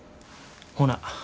ほな。